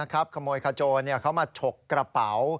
ขโมยขโจรเขามาฉกกระเป๋า